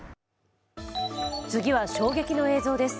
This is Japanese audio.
次は衝撃の映像です。